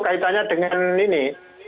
kaitannya dengan ini